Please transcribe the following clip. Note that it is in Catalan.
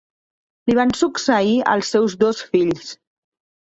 Li van succeir els seus dos fills.